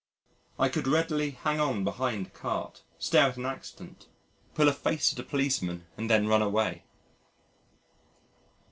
I could readily hang on behind a cart, stare at an accident, pull a face at a policeman and then run away.